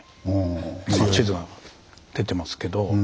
今地図が出てますけど。